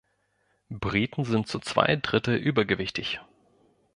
Briten sind zu zwei Drittel übergewichtig.